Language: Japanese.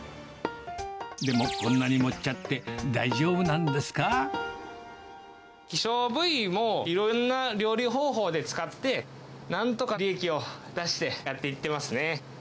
でも、こんなに盛っちゃって大丈希少部位もいろんな料理方法で使って、なんとか利益を出してやっていってますね。